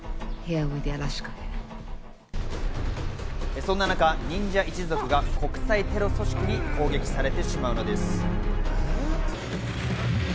そんな中、忍者一族が国際テロ組織に攻撃されてしまうのです。